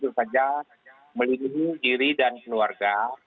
tentu saja melindungi diri dan keluarga